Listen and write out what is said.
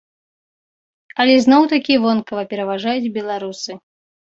Але, зноў-такі, вонкава пераважаюць беларусы.